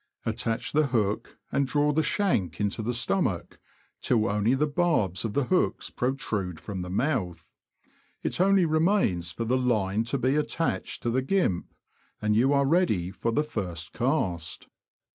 Attach the hook, and draw the shank into the stomach, till only the barbs THE FISH OF THE BROADS. 293 of the hooks protrude from the mouth. It only remains for the line to be attached to the gimp, and you are ready for the first cast.